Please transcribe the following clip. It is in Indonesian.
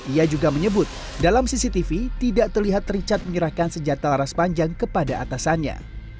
ia juga menyebut dalam cctv tidak terlihat richard menyerahkan senjata laras panjang kepada atasannya